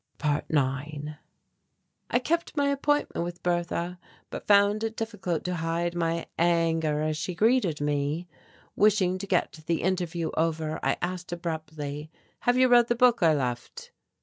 ~9~ I kept my appointment with Bertha, but found it difficult to hide my anger as she greeted me. Wishing to get the interview over, I asked abruptly, "Have you read the book I left?"